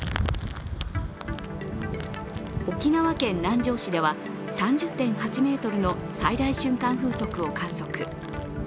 沖縄県南城市では３０．８メートルの最大瞬間風速を観測。